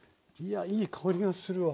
いい香りがするわ。